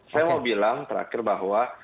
saya mau bilang terakhir bahwa